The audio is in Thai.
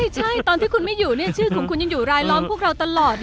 ใช่ตอนที่คุณไม่อยู่ชื่อของคุณยังอยู่รายล้อมพวกเราตลอด